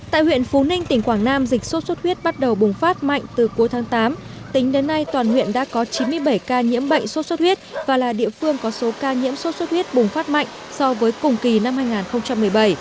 tại huyện phú ninh tỉnh quảng nam dịch sốt xuất huyết bắt đầu bùng phát mạnh từ cuối tháng tám tính đến nay toàn huyện đã có chín mươi bảy ca nhiễm bệnh sốt xuất huyết và là địa phương có số ca nhiễm sốt xuất huyết bùng phát mạnh so với cùng kỳ năm hai nghìn một mươi bảy